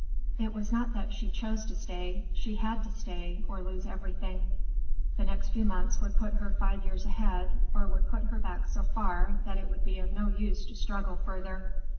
It was not that she chose to stay; she had to stay—or lose everything. The next few months would put her five years ahead, or would put her back so far that it would be of no use to struggle further.